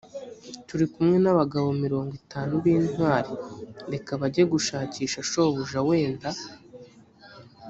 turi kumwe n abagabo mirongo itanu b intwari reka bajye gushakisha shobuja wenda